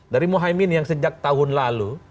dari mohaimin yang sejak tahun lalu